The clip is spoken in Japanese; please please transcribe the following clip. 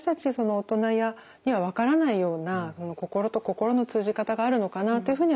大人には分からないような心と心の通じ方があるのかなというふうには思ってます。